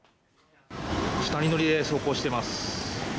２人乗りで走行しています。